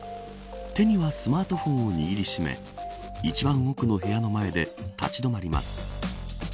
手にはスマートフォンを握り締め一番奥の部屋の前で立ち止まります。